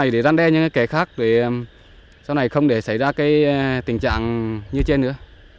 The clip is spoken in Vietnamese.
để răn đeo những cái kẻ khác sau này không để xảy ra cái tình trạng như trên nữa